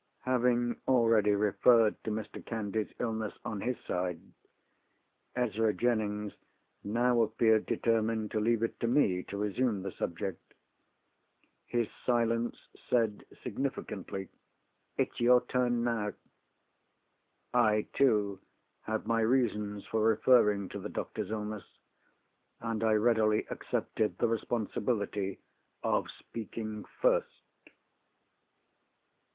Having already referred to Mr. Candy's illness on his side, Ezra Jennings now appeared determined to leave it to me to resume the subject. His silence said significantly, "It's your turn now." I, too, had my reasons for referring to the doctor's illness: and I readily accepted the responsibility of speaking first.